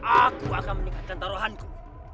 aku akan meningkatkan taruhanku